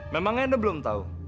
memangnya anda belum tahu